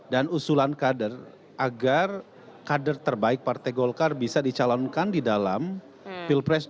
dan usulan kader agar kader terbaik partai golkar bisa dicalonkan di dalam pilpres dua ribu dua puluh empat